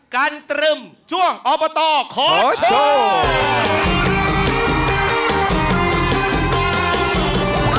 กันตรึมช่วงอบตขอโชค